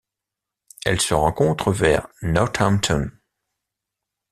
Elle se rencontre vers Northampton.